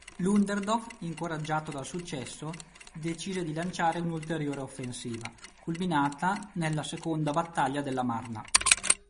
Ludendorff, incoraggiato dal successo, decise di lanciare un'ulteriore offensiva, culminata nell'seconda battaglia della Marna.